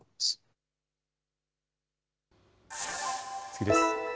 次です。